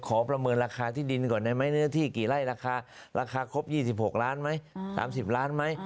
ประเมินราคาที่ดินก่อนได้ไหมเนื้อที่กี่ไร่ราคาราคาครบ๒๖ล้านไหม๓๐ล้านไหม